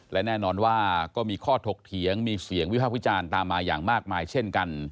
และแน่นอนว่าก็มีข้อถกเถียงมีเสียงวิพากษ์วิจารณ์ตามมาอย่างมากมายเช่นกัน